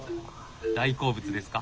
大好物ですか？